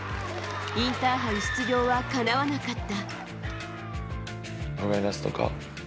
インターハイ出場はかなわなかった。